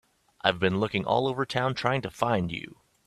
I've been looking all over town trying to find you.